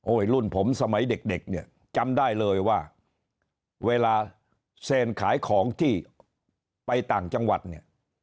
รุ่นผมสมัยเด็กเนี่ยจำได้เลยว่าเวลาเซนขายของที่ไปต่างจังหวัดเนี่ย